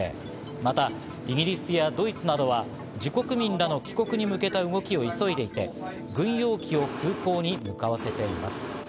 またイギリスやドイツなどは自国民らの帰国に向けた動きを急いでいて軍用機を空港に向かわせています。